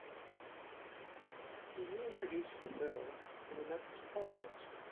He reintroduced the bill in the next parliament.